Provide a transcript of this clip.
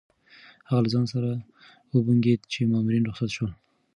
هغه له ځان سره وبونګېده چې مامورین رخصت شول.